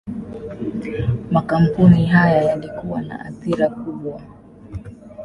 Makampuni haya yalikuwa na athira kubwa.